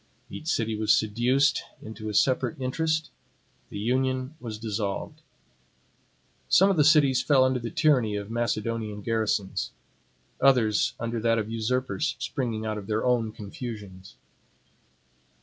Each city was seduced into a separate interest; the union was dissolved. Some of the cities fell under the tyranny of Macedonian garrisons; others under that of usurpers springing out of their own confusions.